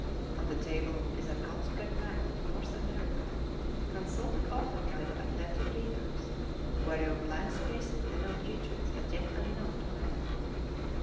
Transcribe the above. On the table is an outspread map of North Amer ica, consulted often by the attentive readers, whereon blank spaces denote regions as yet unknown to man.